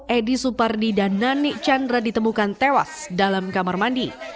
edi supardi dan nani chandra ditemukan tewas dalam kamar mandi